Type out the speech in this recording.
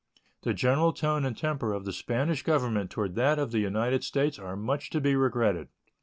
The general tone and temper of the Spanish Government toward that of the United States are much to be regretted.